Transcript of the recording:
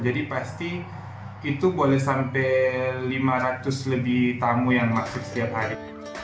jadi pasti itu boleh sampai lima ratus lebih tamu yang masuk setiap hari